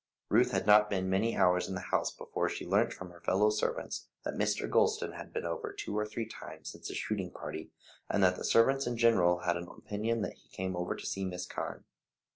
Ruth had not been many hours in the house before she learnt from her fellow servants that Mr. Gulston had been over two or three times since the shooting party, and that the servants in general had an opinion that he came over to see Miss Carne.